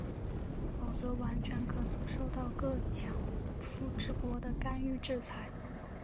否则完全可能受到各强富之国的干预制裁。